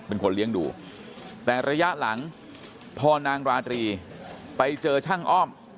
เป็นคนเลี้ยงดูแต่ระยะหลังพอนางราตรีไปเจอช่างอ้อม